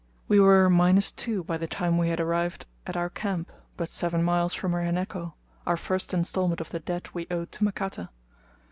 We were minus two by the time we had arrived at our camp, but seven miles from Rehenneko, our first instalment of the debt we owed to Makata.